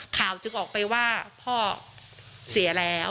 ข่าวจึงออกไปว่าพ่อเสียแล้ว